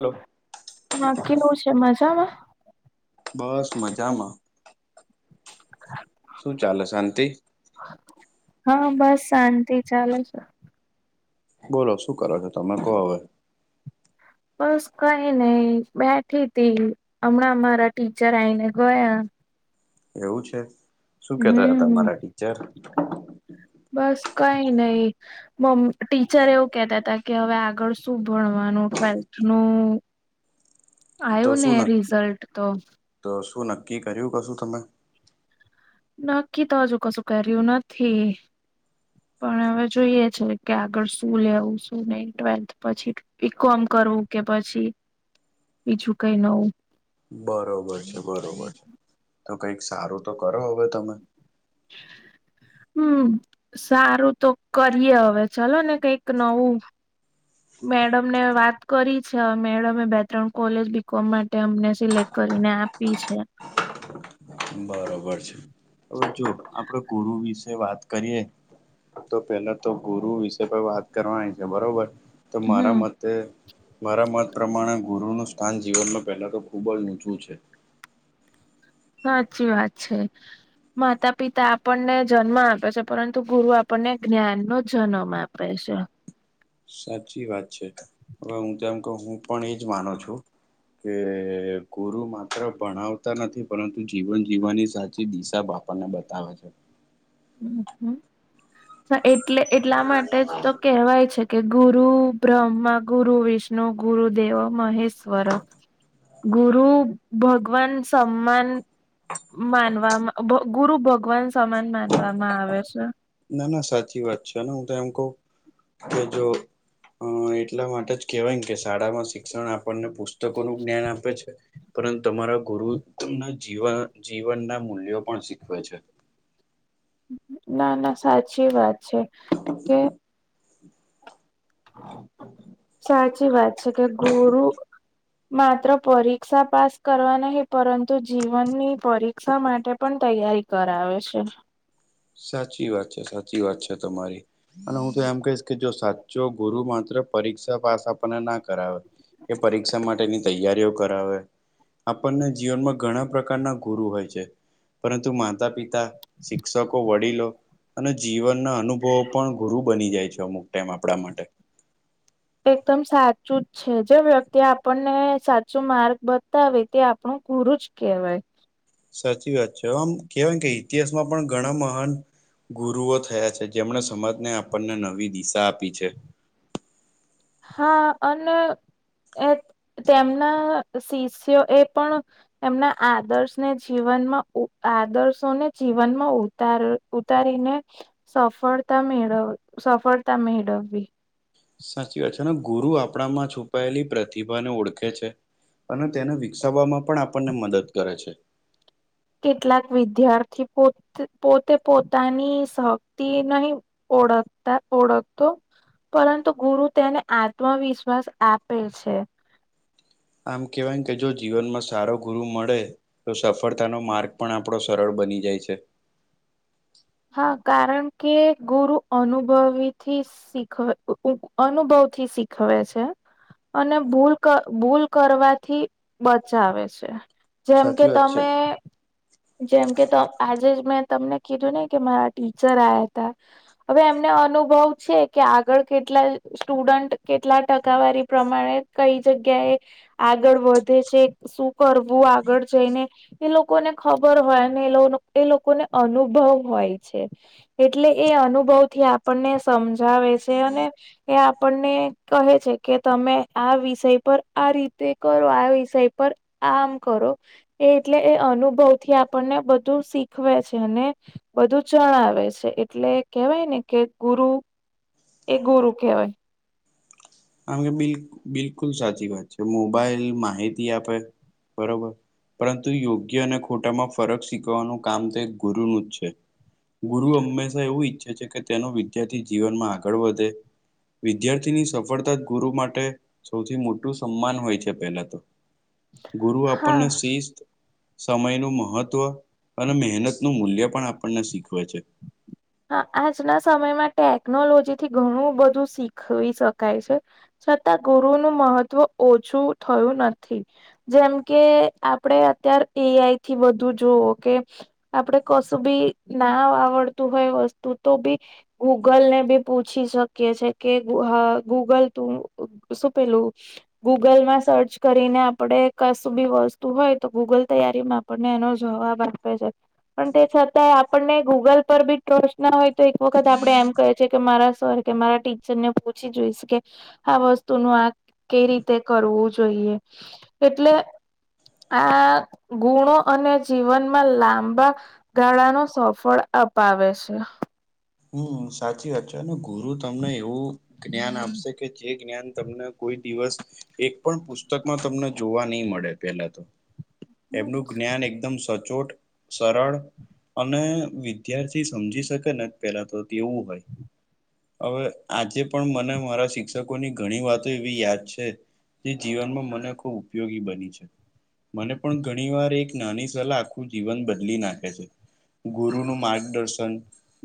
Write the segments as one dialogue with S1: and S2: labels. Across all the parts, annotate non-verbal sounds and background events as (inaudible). S1: Hello
S2: (unintelligible) મજામાં?
S1: બસ મજામાં શું ચાલે શાંતિ
S2: (inaudible) હા બસ શાંતિ ચાલે છે.
S1: બોલો શું કરો છો? તમે કો હવે?
S2: બસ કઈ નહી બેઠી તી. અમણાં અમારા ટીચર આઈને ગયા.
S1: એવું છે? શું
S2: હ,
S1: કેતા હતા મારા ટીચર
S2: બસ કઈ નઇ મમ ટીચર એવું કહેતા હતા કે, હવે આગળ શું ભણવાનું ટ્વેલ્થનું
S1: તો શું નક્,
S2: રિઝલ્ટ તો
S1: તો શું નક્કી કર્યું કશું તમે?
S2: નક્કી તો હજુ કશું કર્યું નથી. પણ હવે જોઈએ છે કે આગળ શું લેવું શું નહી ટ્વેલ્થ પછી. બી કોમ કરવું કે પછી બીજું કંઈ નવું.
S1: બરોબર છે બરોબર છે. તો કઈક સારું તો કરો હવે તમે. (unintelligible)
S2: હમ્મ, સારું તો કરીએ હવે ચલો ને કંઈક નવું.
S1: (unintelligible)
S2: મેડમને વાત કરી છે. મેડમે બે ત્રણ કોલેજ બી કોમ માટે અમને સિલેક્ટ કરીને આપ. પી છે.
S1: બરોબર છે. હવે જો આપને ગુરુ વિશે વાત કરીએ, તો પેલા તો ગુરુ વિશે કોઈ વાત કરવાની છે બરોબર. તો મારા
S2: હમ
S1: મત તે મારા મત પ્રમાણે ગુરુનું સ્થાન જીવનમાં પહેલા તો ખૂબ જ ઊંચું છે.
S2: સાચી વાત છે. માતા પિતા આપણને જન્મ આપે છે, પરંતુ ગુરુ આપણને જ્ઞાન નો જન્મ આપ પે છે.
S1: સાચી વાત છે. હવે હું તેમ કહું હું પણ એજ માનો છું. કે ગુરુ માત્ર ભણાવતા નથી પરંતુ જીવન જીવવાની સાચી દિશા બાપ આપણને બતાવે છે.
S2: હ એટલે એટલા માટે જ તો કહેવાય છે કે ગુરુ બ્રહ્મા ગુરુ વિષ્ણુ ગુરુ દેવો મહેશ્વર. ગુરુ ભગવાન સમાન માનવામાં ભ ગુરુ ભગવાન સમાન માનવામાં આવે છે.
S1: ના ના સાચી વાત છે હું તો એમ કવ. કે જો અ એટલા માટે જ કેહવાયને કે શાળામાં શીખ શિક્ષણ આપણને પુસ્તકોનું જ્ઞાન આપે છે. પરંતુ તમારા ગુરુ તમને જીવા જીવનના મૂલ્યો પણ શીખવે છે.
S2: ના ના સાચી વાત છે. કે
S1: (inaudible)
S2: સાચી વાત છે કે ગુરુ માત્ર પરીક્ષા પાસ કરવા નહી પરંતુ જીવનની પરી રીક્ષા માટે પણ તૈયારી કરાવે છે.
S1: સાચી વાત છે સાચી વાત છે તમારી. અને હું તો એમ કહીશ કે જો સાચો ગુરુ માત્ર પરીક્ષા પાસ આપને ના કરાવે કે પરીક્ષા માટેની તૈયારીઓ કરાવે. આપણને જીવનમાં ઘણા પ્રકારના ગુરુ હોય છે. પરંતુ માતા, પિતા, શિક્ષક વડીલો અને જીવનના અનુભવો પણ ગુરુ બની જાય છે અમુક ટાઈમ આપણા માટે.
S2: એકદમ સાચું જ છે. જો વ્યક્તિ આપણને સાચું માર્ગ બતાવે તે આપણું ગુરું જ કેહવાય.
S1: સાચી વાત છે આમ કેવાય કે ઇતિહાસમાં પણ ઘણા મહાન ગુરુઓ થયા છે જેમણે સમાજને આપણને નવી દિશા આપી છે.
S2: હા અને એ તેમના શિષ્યો એ પણ એમના આદર્શને જીવનમાં આદર્શોને જીવનમાં ઉ ઉ ઉતારીને સફળતા મેળ સફળતા મેળવવી.
S1: સાચી વાત છે ને ગુરુ આપણામાં છુપાયેલી પ્રતિભાને ઓળખે છે. અને તેને વિકસાવવામાં પણ આપણને મદદ કરે છે.
S2: કેટલાક વિદ્યાર્થી પો પોતે પોતાની શક્તિ નહીં ઓળખતા ઓળક તો પરંતુ ગુરુ તેને આત્મવિશ્વાસ આપે છે.
S1: આમ કહેવાય કે જો જીવનમાં સારો ગુરુ મળે તો સફળતાનો માર્ગ પણ આપણો સરળ બની જાય.
S2: હા કારણ કે ગુરુ અનુભવીથી શીખ અનુભવથી શીખવે છે. અને ભૂલ ભૂલ કરવાથી બચાવે છે. જેમ કે
S1: સાચી વાત છે
S2: તમે જેમ કે આજે જ તમને મેં કીધું નય કે મારા ટીચર આયા તા. હવે એમને અનુભવ છે કે આગળ કેટલા સ્ટુડન્ટ કેટલા ટકાવારી પ્રમાણે કઈ જગ્યાએ આગળ વધે છે શું કરવું આગળ જઈને એ લોકોને ખબર હોય અને એ એ લોકોને અનુભવ હોય છે એટલે એ અનુભવથી આપણને સમજાવે છે અને એ આપણને કહે છે કે તમે આ વિષય પર આ રીતે કરો આ વિષય પર આમ કરો એ એટલે એ અનુભવથી આપણને બધું શીખવે છે અને બધું જણાવે છે એટલે કેહેવાય ને કે ગુરુ એ ગુરુ કહેવાય.
S1: આમ એ બિલ બિલકુલ સાચી વાત છે મોબાઇલ માહિતી આપે બરોબર પરંતુ યોગ્ય અને ખોટામાં ફરક શીખવવાનું કામ તે ગુરુનું જ છે. ગુરુ હંમેશા એવું ઈચ્છે છે કે તેનો વિદ્યાર્થી જીવનમાં આગળ વધે વિદ્યાર્થીની સફ ડતા જ ગુરુ માટે સૌથી મોટું સન્માન હોય છે પેલા તો ગુરુ
S2: હા
S1: આપણને શિસ્ત સમયનું મહત્વ અને મહેનતનું મૂલ્ય પણ આપણને શીખવે છે.
S2: હા આજના સમયમાં ટેકનોલોજીથી ઘણું બધું શીખવી શકાય છે. છતાં ગુરુનું મહત્વ ઓછું થયું નથી. જેમ કે આપડે અત્યાર એઆઈથી બધું જોવો કે આપડે કશું બી ના આવડતું હોય વસ્તુ તો બી ગૂગલને બી પૂછી શકીએ છે કે હ ગૂગલ તું શું પેલું ગૂગલમાં સર્ચ કરીને આપડે કશું બી વસ્તુ હોય તો ગૂગલ તૈયારીમાં આપને એનો જવાબ આપે છે પણ તે છતાંય આપણને ગૂગલ પર બી ટ્રસ્ટ ના હોય તો એક વખત આપડે એમ કહે છે કે મારા સર કે મારા ટીચરને પૂછી જોઈશ કે આ વસ્તુનું આ કઈ રીતે કરવું જોઈએ એટલે આ ગુણો અને જીવનમાં લાંબા ગાળાનો સફળ અપાવે છે.
S1: હમ સાચી વાત છે ગુરુ તમને એવું જ્ઞાન આપશે કે જે જ્ઞાન તમને કોઈ દિવસ એક પણ પુસ્તકમાં તમને જોવા નહી મળે પેલા તો એમનું જ્ઞાન એકદમ સચોટ સરળ અને વિદ્યાર્થી સમજી શકે ને પેલા તો તેવું હોય. હવે આજે પણ મને મારા શિક્ષકોની ઘણી વાતો એવી યાદ છે જે જીવનમાં મને ખૂબ ઉપયોગી બની છે. મને પણ ઘણીવાર એક નાની સલાહ આખું જીવન બદલી નાખે છે. ગુરુનું માર્ગદર્શન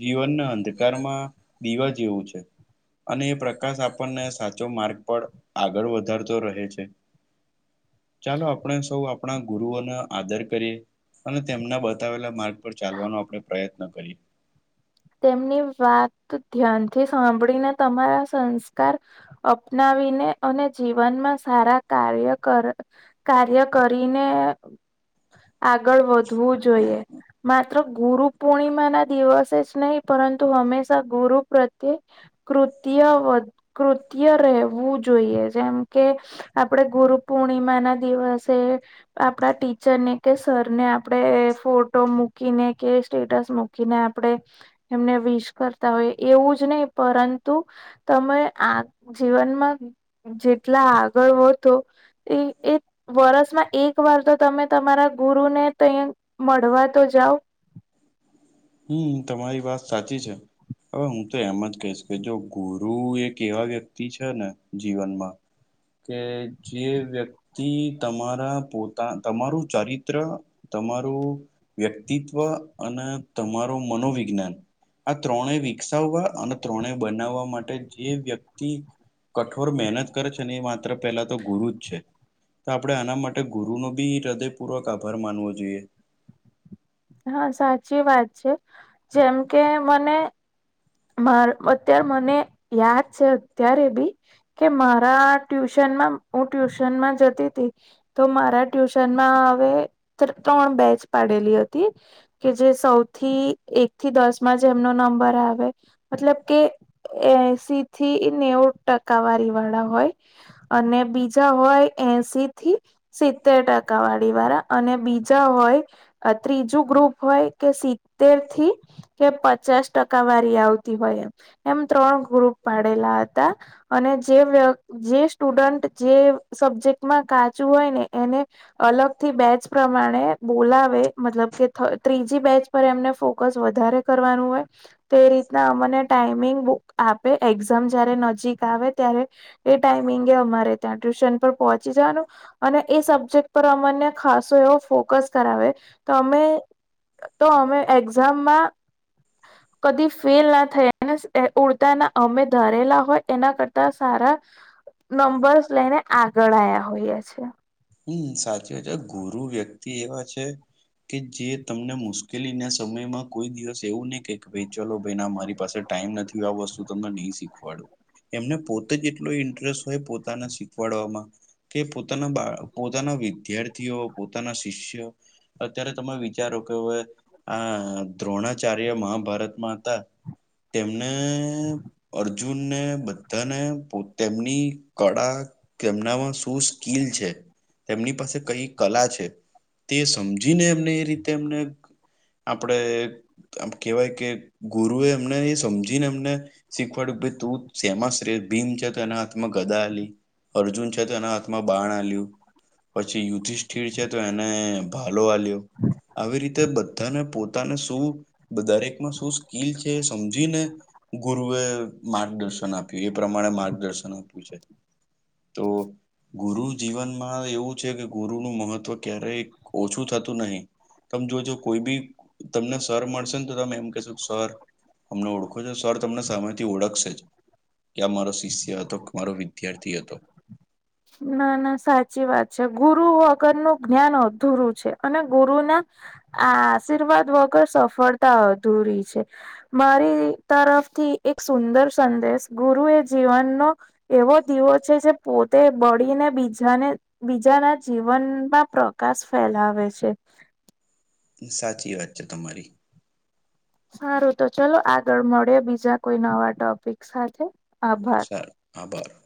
S1: જીવનના અંધકારમાં દીવા જેવું છે. અને એ પ્રકાશ આપણને સાચો માર્ગ પર આગળ વધારતો રહે છે. ચાલો આપણે સૌ આપણા ગુરુઓને આદર કરીએ. અને તેમના બતાવેલા માર્ગ પર ચાલવાનો આપણે પ્રયત્ન કરીએ.
S2: તેમની વાત ધ્યાનથી સાંભળીને તમારા સંસ્કાર અપનાવીને અને જીવનમાં સારા કાર્ય કર કાર્ય કરીને અ આગળ વધવું જોઈએ, માત્ર ગુરુ પૂર્ણિમા ના દિવસે જ નહી પરંતુ હંમેશા ગુરુ પ્રત્યે કૃત્ય વધ કૃત્ય રહેવું જોઈએ જેમ કે આપણે ગુરુ પૂર્ણિમાના દિવસે આપણા ટીચરને કે સરને આપડે ફોટો મૂકીને કે સ્ટેટસ મૂકીને આપડે એમને વિશ કરતા હોય એવું જ નહી પરંતુ તમે આગ જીવનમા જેટલા આગળ વધો ઈ એ વર્ષમાં એક વાર તો તમે તમારા ગુરુ ને તે મળવા તો જાવ.
S1: હમ તમારી વાત સાચી છે. હવે હું તો એમ જ કહીશ કે જો ગુરુ એક એવા વ્યક્તિ છે ને જીવનમાં કે જે વ્યક્તિ તમારા પોતા તમારું ચરિત્ર તમારું વ્યક્તિત્વ અને તમારું મનોવિજ્ઞાન આ ત્રણે વિકસાવવા અને ત્રણે બનાવવા માટે જે વ્યક્તિ કઠોર મહેનત કરે છે ને એ માત્ર પહેલા તો ગુરુ જ છે. તો આપડે આના માટે ગુરુનો બી હૃદયપૂર્વક આભાર માનવો જોઈએ.
S2: હા સાચી વાત છે જેમ કે મને મા અત્યાર મને યાદ અત્યારે બી કે મારા ટ્યુશનમાં હું ટ્યુશનમાં જતી તી તો મારા ટ્યુશનમાં હવે ત્ર ત્રણ બેચ પાડેલી હતી. કે જે સૌથી એકથી દસમાં જેમનો નંબર આવે મતલબ કે એસીથી નેવું ટકાવારીવાળા હોય. અને બીજા હોય એસી થી સિત્તેર ટકાવાળીવાળા અને બીજા હોય ત્રીજું ગ્રુપ હોય કે સિત્તેરથી કે પચાસ ટકાવાર આવતી હોય એમ એમ ત્રણ ગ્રુપ પાડેલા હતા. અને જે વ્ય જે સ્ટુડન્ટ જે સબ્જેક્ટમાં કાચું હોય ને એને અલગથી બેચ પ્રમાણે બોલાવે, મતલબ કે થ ત્રીજી બેચ પર એમને ફોકસ વધારે કરવાનું હોય તે રીતના અમને ટાઈમિંગ બુક આપે એક્ઝામ જ્યારે નજીક આવે ત્યારે એ ટાઈમિંગે અમારે ત્યાં ટ્યુશન પહોંચી જવાનું અને એ સબ્જેક્ટ પર અમાને ખાસો એવો ફોકસ કરાવે તો અમે તો અમે એક્ઝામમાં કદી ફેલ ના થયા અને ઉડતા ના અમે ધારેલા હોય એના કરતા સારા
S1: (inaudible)
S2: નંબર્સ લઈને આગળ આયા હોઈએ છે.
S1: હમ સાચી વાત છે, ગુરુ વ્યક્તિ એવા છે કે જે તમને મુશ્કેલીના સમયમાં કોઈ દિવસ એવું નહી કે ભાઈ ચલો ભાઈન મારી પાસે ટાઈમ નથી આ વસ્તુ તમને નહીં શીખવાડુ. એમને પોતે જ એટલો ઇન્ટરેસ્ટ હોય પોતાના શીખવાડવામાં કે પોતાના બાળ પોતાના વિદ્યાર્થીઓ પોતાના શિષ્ય અત્યારે તમે વિચારો કે હવે આ દ્રોણાચાર્ય મહાભારતમાં હતા તેમને અર્જુનને બધાને પો તેમની કળા તેમનામાં શું સ્કીલ છે? તેમની પાસે કઈ કલા છે તે સમજીને એમને એ રીતે એમને આપડે આમ કેહેવાય કે ગુરુ એ એમને એ સમજ ને એમને શીખવાડ્યું ભઈ તું શેમાં શ્રે ભીન છે એના હાથમાં ગદા આલી. અર્જુન છે તો એના હાથમાં બાણ આલ્યું. પછી યુધિષ્ઠિર છે તો એને ભાલો આલ્યો. આવી રીતે બધાને પોતાને શું દરેકમાં શું સ્કીલ છે સમજીને એ ગુરુએ માર્ગદર્શન આપ્યું. એ પ્રમાણે માર્ગદર્શન આપ્યું છે. તો ગુરુ જીવન હા એવું છે કે ગુરુ નું મહત્વ ક્યારેય ઓછું થતું નહી. તમ જોજો કોઈ બી તમને સર મળશે ને તો તમે એમ કહેશો સર અમને ઓળખો છો સર, તમને સામેથી ઓળખશે જ. કે આ મારો શિષ્ય હતોક, મારો વિદ્યાર્થી હતો.
S2: ના ના સાચી વાત છે, ગુરુ વગરનું જ્ઞાન અધુરું છે અને ગુરુ ના આ આશીર્વાદ વગર સફળતા અધૂરી છે. મારી તરફથી એક સુંદર સંદેશ ગુરુ એ જીવનનો એવો દીવો છે જે પો તે બળીને બીજાને બીજાના જીવનમાં પ્રકાશ ફેલાવે છે.
S1: સાચી વાત છે તમારી.
S2: સારું તો ચલો આગળ મળે બીજા કોઈ નવા ટોપિક સાથે આભા
S1: (unintelligible) આભાર.